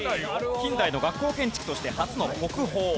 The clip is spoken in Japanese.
近大の学校建築として初の国宝。